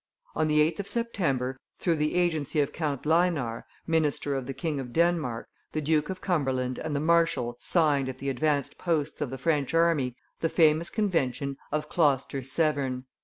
On the 8th of September, through the agency of Count Lynar, minister of the King of Denmark, the Duke of Cumberland and the marshal signed at the advanced posts of the French army the famous convention of Closter Severn.